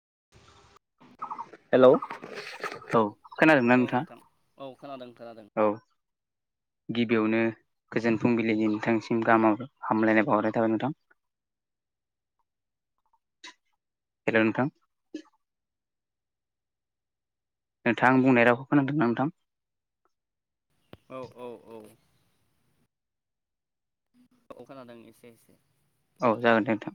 [inaudible] हेल' खोनादोंना औ नोंथाङा नोंथां औ खोनादों खोनादों। औ गिबियावनो गोजोन फुंबिलिनि नोंथांनिसिम गाहाम हाम हामलायनाय बावहरनाय थाबाय नोंथां। [inaudible] हेल' नोंथां। नोंथां आं बुंनाय रावखौ खोनादोंना नोंथां? औ औ औ। औ खोनादों एसे एसे औ जागोन दे नोंथां,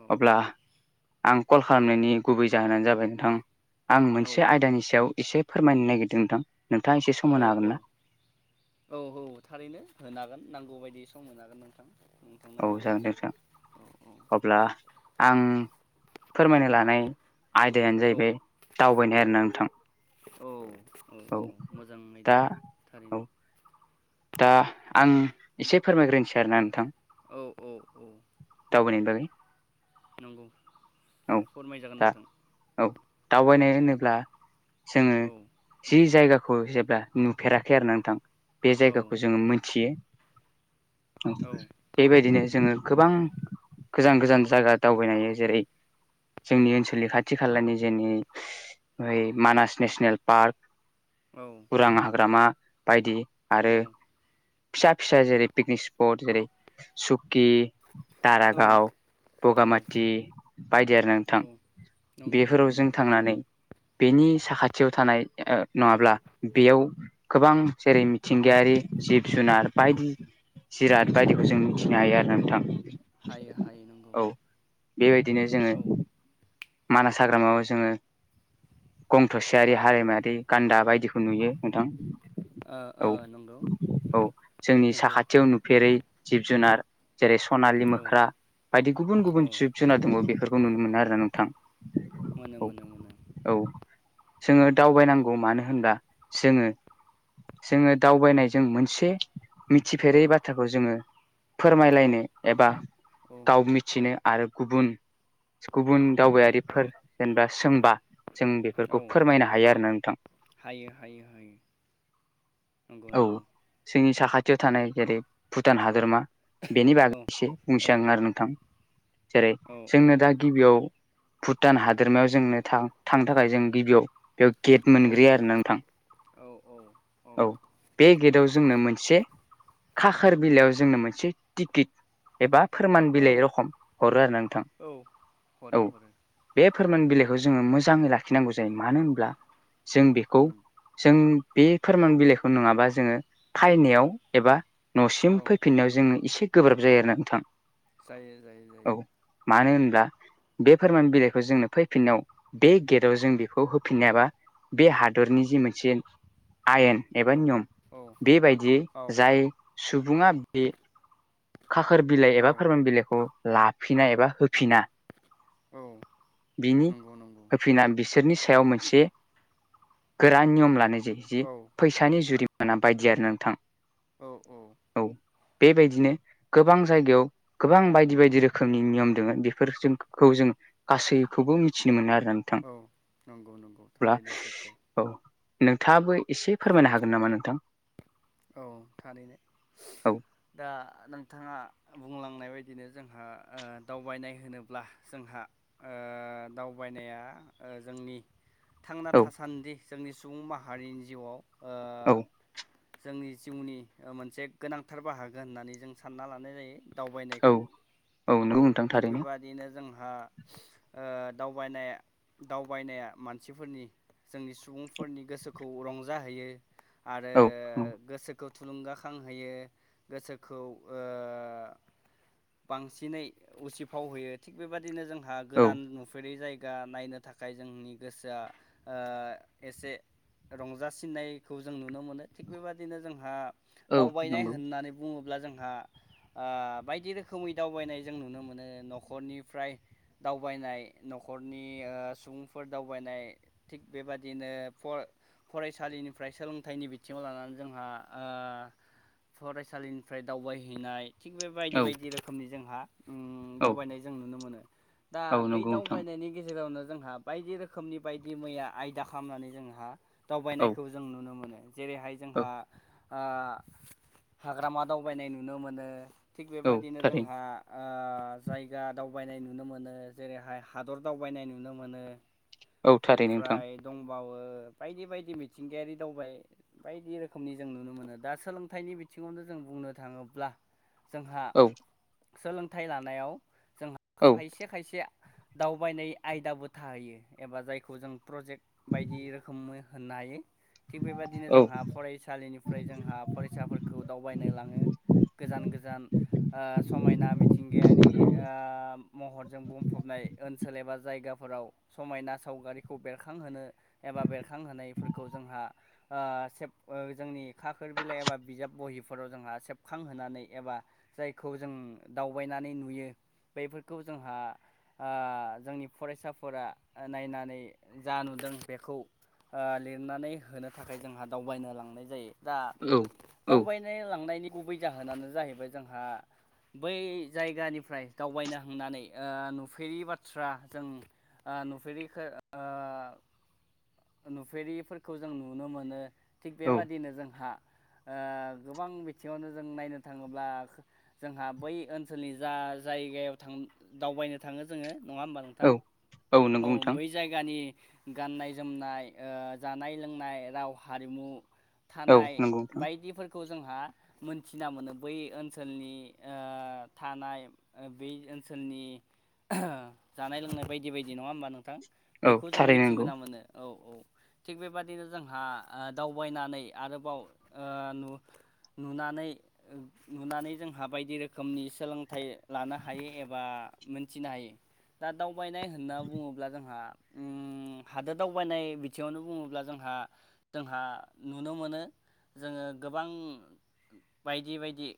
औ अब्ला आं कल खालामनायनि गुबै जाहोनानो जाबाय नोंथां आं औ मोनसे आयदानि सायाव एसे फोरमायनो नागिरदों नोंथां। नोंथाङा एसे सम औ होनो हागोन औ ना औ औ थारैनो होनो हागोन नांगौ बायदि सम होनो हागोन नोंथां। नोंथांनो औ आङो जागोन दे नोंथां औ अब्ला आं फोरमायनो लानाय आयदायानो औ जाहैबाय दावबायनाय आरो ना नोंथां। औ औ औ मोजां दा आयदाया औ थारैनो। दा आं एसे फोरमायग्रोनोसै आरोना नोंथां। औ औ औ। दावबायनायनि बागै नंगौ औ फोरमायजागोन दा नोंथां। औ दावबायनाय होनोब्ला जोङो औ जि जायगा खौ जेब्ला नुफेराखै आरो ना नोंथां बे औ जायगाखौ जोङो मोनथियो। औ बेबायदिनो जोङो गोबां गोजान गोजान जायगा दावबायनो हायो जेरै औ जोंनि ओनसोलनि खाथि खालानि जोंनि ओइ मानास नेसनेल पार्क औ उरां हाग्रामा बायदि औ आरो फिसा फिसा जेरै पिकनिक स्पट जेरै सुकि दारागाव औ बगामाथि बायदि आरो नोंथां। नंगौ बेफोराव नंगौ जों नंगौ थांनानै बेनि साखाथियाव थानाय नङाब्ला बेयाव गोबां जेरै मिथिंगायारि जिब जुनार बायदि जिराद बायदिखौ जों मिथिनो हायो आरो नोंथां। हायो हायो नंगौ औ बेबायदिनो जोङो औ ओ मानास हाग्रामायाव जोङो गं थसेयारि ओ हारिमायारि गान्दा बायदिखौ नुयो नोंथां। औ ओ नंगौ औ जोंनि नंगौ साखाथियाव नुफेरै जिब जुनार जेरै सनालि औ मोख्रा बायदि गुबुन औ गुबुन जिब जुनार दङ बेफोरखौ नुनो मोनो आरोना नोंथां। मोनो औ मोनो मोनो। औ जोङो दावबायनांगौ मानो होनब्ला जोङो जोङो दावबायनायजों मोनसे मिथिफेरै औ बाथ्राखौ जोङो फोरमायलायनो औ एबा औ गाव मिथिनो आरो गुबुन गुबुन उम दावबायारिफोर जेनेबा सोंबा जों औ बेफोरखौ फोरमायनो हायो आरोना नोंथां। हायो हायो हायो नंगौ औ नंगौ। जोंनि साखाथियाव थानाय जेरै भुटान हादरमा बेनि बागै औ एसे औ बुंसै आरोना नोंथां जेरै औ औ जोंनो दा गिबियाव भुटान हादोरमायाव जोंनो थां थांनो थाखाय जों गिबियाव -याव गेट औ मोनग्रोयो आरोना नोंथां औ। बे गेटआव जोंनो मोनसे खाखोर बिलाइयाव जोंनो मोनसे टिकेट एबा फोरमान हरो बिलाइ रखम हरो आरोना नोंथां औ हरो बे फोरमान बिलाइखौ जोङो मोजाङै लाखिनांगौ जायो मानो होनब्ला जों बेखौ उम जों बे फोरमान बिलाइखौ नङाबा जोङो फायनायाव एबा न'सिम औ फैफिननायाव जोङो एसे गोब्राब जायो आरो नोंथां। जायो जायो जायो। औ मानो होनब्ला बे फोरमान बिलाइखौ जोंनो फैफिननायाव बे गेटाव जों बेखौ होफिननो हायाबा बे हादरनि जि मोनसे आयेन एबा औ नियम बेबायदि औ जाय सुबुङा बे खाखोर बिलाइ औ एबा फोरमान बिलाइखौ लाफिना एबा होफिना। बिनि नंगौ नंगौ होफिना बिसोरनि सायाव मोनसे गोरा नियम लानाय जायो जि औ फैसानि जुरिमाना बायदि आरो नोंथां। औ औ बेबायदिनो गोबां जायगायाव गोबां बायदि बायदि रोखोमनि नियम दोङो बेफोर जों खौ जों गासैखौबो मिथिनो मोनो आरो। औ नंगौ नंगौ थारैनो सैथो। औ नोंथाङाबो एसे फोरमायनो हागोन नामा नोंथां? औ थारैनो औ दा नोंथाङा बुंलांनाय बायदि -दिनो जोंहा दावबायनाय होनोब्ला जोंहा ओ दावबायनाया जोंनि थांना औ थासान्दि जोंनि सुबुं माहारिनि जिउआव औ जोंनि जिउनि मोनसे गोनांथार बाहागो होननानै जों सानना लानाय जायो। दावबायनायखौ औ औ नंगौ नोंथां थिग थारैनो बेबादिनो जोंहा आ दावबायनाय दावबायनाया मानसिफोरनि जोंनि सुबुंफोरनि गोसोखौ रंजाहोयो। आरो औ औ गोसोखौ थुलुंगाखांहोयो गोसोखौ ओ बांसिनै उसिफाव होयो। थिग बेबादिनो जोंहा औ गोदान नुफेरै जाय - गा नायनो थाखाय जोंनि गोसोआ ओ एसे रंजासिननायखौ जों नुनो मोनो। थिग बेबदिनो जोंहा औ दावबायनाय नंगौ होननानै बुङो ब्ला जोंहा आ बायदि रोखोमै दावबायनाय जों नुनो मोनो। न'खरनिफ्राय दावबायनाय न'खरनि आ सुबुंफोर दावबायनाय थिग बेबादिनो फर - फरायसालिनिफ्राय सोलोंथाइनि बिथिङाव लानानै जोंहा ओ फरायसालिनिफ्राय दावबायहैनाय थिग बे बायदि औ बायदि रोखोमनि जोंहा उम औ दावबायनाय जों नुनो मोनो। दा औ बै नंगौ नोंथां दावबायनायनि गेजेरावनो जोंहा बायदि रोखोमनि बायदि मैया आयदा खालामनानै जोंहा औ दावबायनायखौ जों नुनो मोनो। जेरै हाय औ जोंहा ओ हाग्रामा दावबायनाय नुनो मोनो। थिग औ बेबायदिनो थारैनो जोंहा ओ जायगा दावबायनाय नुनो मोनो। जेरैहाय हादर दावबायनाय नुनो मोनो। औ थारैनो नोंथां ओमफ्राय दंबावो। बायदि बायदि मिथिंगायारि दावबाय बायदि रोखोमनि जों नुनो मोनो। दा सोलोंथाइनि बिथिङावनो जों बुंनो थाङोब्ला। जोंहा औ सोलोंथाइ लानायाव जोंहा औ खायसे खायसे दावबायनाय आयदाबो थाहैयो। एबा जायखौ जों प्रजेक्ट बायदि रोखोमै होननो हायो। थिग बेबायदिनो औ जोंहा फरायसालिनिफ्राय जोंहा फरायसाफोरखौ दावबायनो लाङो। गोजान गोजान ओ समायना मिथिंगायारि ओ महरजों बुंफबनाय ओन सोल एबा जायगाफोराव समायना सावगारिखौ बेरखांहोनो एबा बेरखांहोनायफोरखौ जोंहा आ ओ सेब ओ जोंनि खाखोर बिलाइ एबा बिजाब बहिफोराव जोंहा सेबखांहोनानै एबा जायखौ जों दावबायनानै नुयो। बेफोरखौ जोंहा ओ जोंनि फरायसाफोरा नायनानै जा नुदों बेखौ। ओ लिरनानै होनो थाखाय जोंहा दावबायनो लांनाय जायो। दा औ औ दावबायनो लांनायनि गुबै जाहोनानो जाहैबाय जोंहा बै जायगानिफ्राय दावबायनो हांनानै ओ नुफेरै बाथ्रा जों ओ नुफेरिखो ओ ओ नुफेरिफोरखौ जों नुनो मोनो थिग बेबादिनो जोंहा। ओ गोबां बिथिङावनो जों नायनो थाङोब्ला जोंहा बै ओनसोलनि जा जायगायाव थां दावबायनो थाङो जोङो। नङा होमबा नोंथां? औ औ नंगौ नोंथां बै जायगानि गाननाय जोमनाय ओ जानाय लोंनाय राव हारिमु औ थानाय नंगौ बायदिफोरखौ जोंहा मोनथिना मोनो। बै ओनसोलनि ओ थानाय बै ओन सोलनि जानाय लोंनाय बायदि बायदि नङा होमबा नोंथां। औ बेखौ जों थारैनो नंगौ मिथिबोना मोनो। औ औ [inaudible] थिग बेबादिनो जोंहा ओ दावबायनानै आरोबाव ओ नु नुनानै ओ नुनानै जोंहा बायदि रोखोमनि सोलोंथाइ लानो हायो। एबा आं मोनथिनो हायो। दा दावबायनाय होनना बुङोब्ला जोंहा ओं हादोद दावबायनाय बिथिङावनो बुङोब्ला जोंहा जोंहा नुनो मोनो। जोङो गोबां बायदि बायदि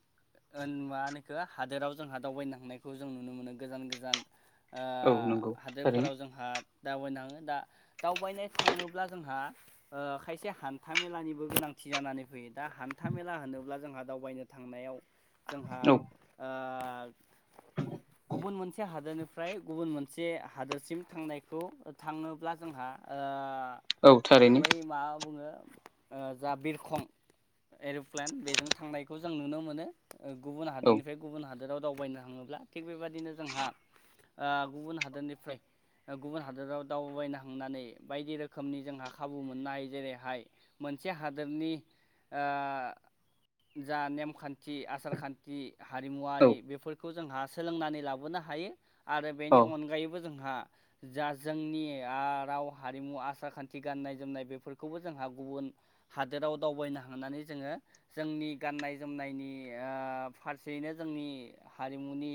ओ नुया नोखो हादोराव जोंहा दावबायनो थांनायखौ जों नुनो मोनो गोजान गोजान। ओ औ नंगौ थारैनो हादोरफोराव जोंहा दावबायनो थाङो। दा दावबायनो थाङोब्ला जोंहा ओ खायसे हान्था मेलानिबो गोनांथि जानानै फैयो ना हान हान्था मेला होनोब्ला जोंहा दावबायनो थांनायाव जोंहा औ ओ गुबुन मोनसे हादोरनिफ्राय गुबुन मोनसे हादोरसिम थांनायखौ थाङोब्ला। जोंहा औ ओ थारैनो बै मा बुङो? ओ जा बिरखं एर'प्लेन बेजों थांनायखौ जों नुनो मोनो। गुबुन औ हादोरनिफ्राय गुबुन हादोराव दावबायनो थाङोब्ला थिग बेबायदिनो जोंहा ओ गुबुन हादोरनिफ्राय गुबुन हादोराव दावबायबायना थांनानै बायदि रोखोमनि जोंहा खाबु मोननाय जेरैहाय मोनसे हादोरनि ओ जा नेमखान्थि आसार खान्थि औ हारिमुवारि बेफोरखौ जोंहा सोलोंनानै लाबोनो हायो आरो बेनि औ अनगायैबो जों हा जा जोंनि आ राव हारिमु आसा खान्थि गाननाय जोमनाय बेफोरखौबो जोंहा गुबुन हादोराव दावबायना। थांनानै जोंङो जोंनि गाननाय जोमनायनि ओ फारसेयैनो जोंनि हारिमु। मुनि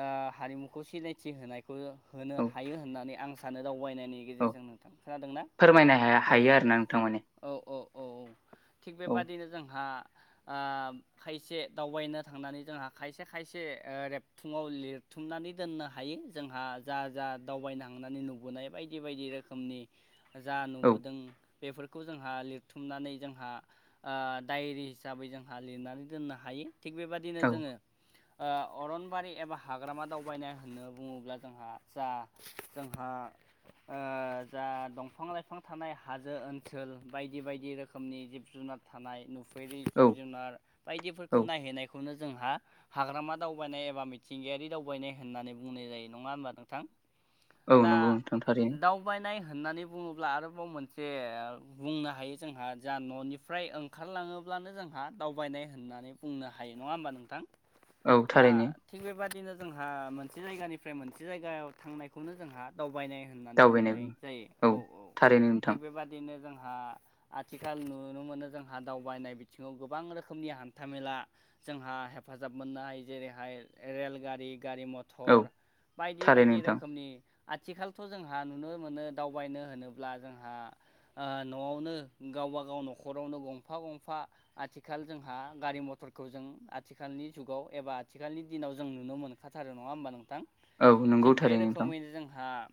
ओ हारिमुखौ सिनायथि होनायखौ होनो औ हायो होननानै आं। थगायनायनि औ गेजेरजों नोंथां खोनादोंना फोरमायनो हाया औ हायो आरोना नोंथां माने औ-औ। थिग औ बेबादिनो जोंहा। ओ खायसे दावबायनो थांनानै जोंहा खायसे खायसे ओ रेबथुंङाव लिर। बुथुमनानै दोननो हायो जोंहा जा जा दावबायनो हांनानै नु। नुनाय बायदि बायदि रोखोमनि जा औ नुबोदों। बेफोरखौ जोंहा लिरथुमनानै जोंहा ओ डायरि हिसाबै जोंहा लिरनानै दोननो हायो। थिग बेबादिनो औ जोंङो ओ अरन। बारि एबा हाग्रामा दावबायनाय होनना बुंङोब्ला जोंहा जा जोंहा। ओ जा दंफां लाइफां थानाय हाजो ओनसोल बायदि बायदि रोखोमनि जिब। जुनार थानाय नुफेरि औ जिब जुनार औ बायदिफोरखौ नायहैनायखौनो। जोंहा हाग्रामा दावबायनाय एबा मिथिंगायारि दावबायनाय होननानै बुंनाय जायो नंङा होनबा नोंथां। औ नोंगौ नोंथां थारै। नाय होननानै बुंङोब्ला आरोबाव मोनसे बुंनो हायो जोंहा जा न'निफ्राय ओंखारलां। थांङोब्लानो जोंहा दावबायनाय होननानै बुंनो हायो नंङा होम्बा नोंथां। औ दा थारैनो थिग बेबादिनो। जोंहा मोनसे जायगानिफ्राय मोनसे जायगायाव थांनायखौनो जोंहा दावबायनाय। होननानै दावबायनाय बुंनाय बुङो जायो औ औ थारैनो थिग नोंथां बेबादिनो जों। [inaudible] आथिखाल नुनो मोनो जोंहा दावबायनाय बिथिंङाव गोबां रोखोमनि हान्थामेला जोंहा हे। हेफाजाब मोननो हायो जेरैहाय रेलगारि। गारि औ मथर बायदि थारैनो बायदि नोंथां रोखोमनि। आथिखालथ जोंहा नुनो मोनो दावबायनो होनोब्ला जोंहा न'आवनो गावा। गाव न'खरावनो गंफा गंफा आथिखाल जोंहा गारि मथरखौ जों आथिखालनि जुगाव। एबा आथिखालनि दिनाव जों नुनो मोनखाथारो नंङा होमबा नोंथां। औ नोंगौ थारै नोंथां। आ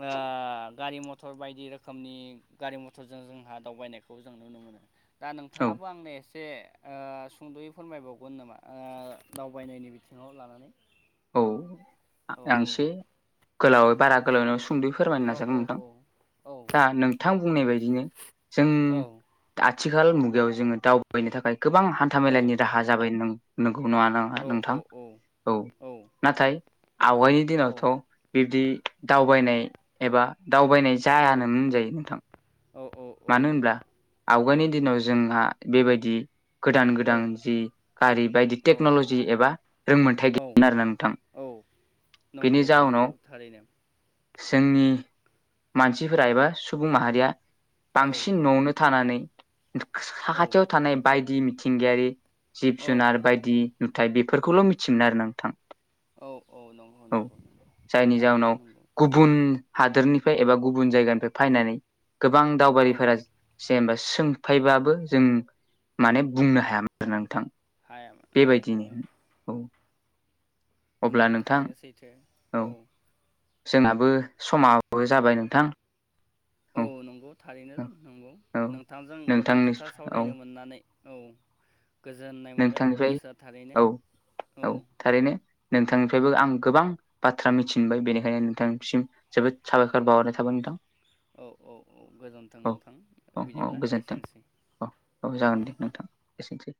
ओ। गारि मथर बायदि रोखोमनि गारि मथरजों जोंहा दावबायनायखौ जों। दा औ नोंथांङाबो आंनो एस। से ओ सुंद'यै फोरमायबावगोन नामा ओ दावबायनायनि बिथिंङाव लानानै। औ औ आं एसे गोलावै बारा गोलावै नंङा सुंदयै। फोरमायनो औ नाजागोन औ नोंथां औ औ दा नोंथां बुंनाय बदिनो जों। औ आथिखाल मुगायाव जोंङो दावबायनो थाखाय गोबां औ हान्थामेलानि राहा जाबाय नों नों। खौ नंङा नोंङो औ औ नोंथां औ। नाथाय आवगायनि दिनावथ बिबदि दावबायनाय एबा। दावबायनाय जायानोमोन होनजायो नोंथां मानो होनब्ला आवगायनि। दिनाव जोंहा बेबायदि। गोदान गोदान जि गारि बायदि टेक्न'लजि एबा रोंमोनथाय गै। औ नोंथां औ बेनि नंगौ नंगौ जाउनाव थारैनो जोंनि। मानसिफोरा एबा सुबुं माहारिया औ बांसिन न'आवनो थानानै। औ साखाथियाव थानाय बायदि मिथिंगायारि जिब औ जुनार बायदि। नाथाय बेफोरखौल मिथियोमोन आरो नोंथां। औ औ नंगौ औ नंगौ जायनि जाउनाव थारैनो नंगौ। गुबुन हादोरनिफ्राय एबा गुबुन जायगानिफ्राय फायनानै गोबां औ दावबायारिफोरा सेमबा। सोंफायबाबो जों माने बुंनो हायामोन आरोना नोंथां। हायामोन औ औ। बेबायदिनो औ अब्ला नोंगौ नोंथां थारैनो सैथो औ। जोंनाबो समाबो जाबाय नोंथां। औ नंगौ थारैनो औ नंगौ औ नोंथांजों गोबां नोंथांनि खोथा औ सावरायनो मोननानै औ गोजोननाय मोनबाय नोंथांनिफ्राय गोसोआ थारैनो औ औ नोंथांनिफ्रायबो आं गोबां बाथ्रा मिथिबाय बेनिखायनो नोंथांसिम जोबोद साबायखर बावहरनाय थाबाय नोंथां औ औ औ गोजोनथों औ थां औ औ बिदिब्ला गोजोन्थों एसेनोसै औ औ जागोन दे नोंथां एसेनोसै